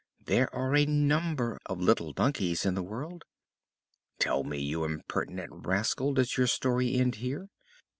There are such a number of little donkeys in the world!" "Tell me, you impertinent rascal, does your story end here?"